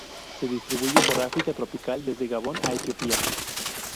Se distribuye por África tropical desde Gabón a Etiopía.